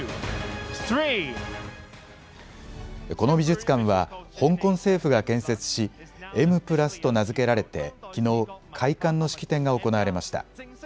この美術館は香港政府が建設しＭ＋と名付けられてきのう開館の式典が行われました。